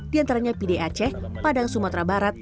di antaranya pda cech padang sumatera barat